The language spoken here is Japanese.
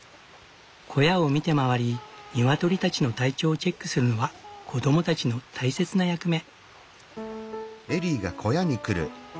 小屋を見て回り鶏たちの体調をチェックするのは子どもたちの大切な役目。